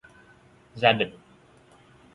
Gia đình